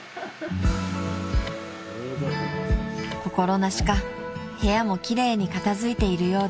［心なしか部屋も奇麗に片付いているようです］